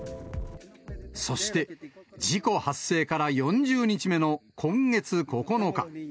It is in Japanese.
そして、事故発生から４０日目の今月９日。